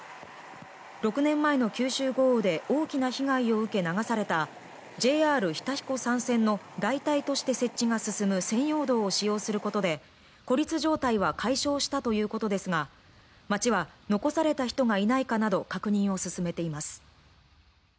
６年前の九州豪雨で大きな被害を受け、流されたＪＲ日田彦山線の代替として設置が進む専用道を使用することで孤立状態は解消したということですが町は残された人がいないかなど確認を進めています。